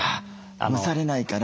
蒸されないから。